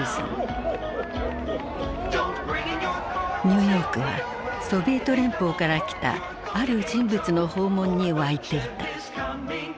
ニューヨークはソビエト連邦から来たある人物の訪問に沸いていた。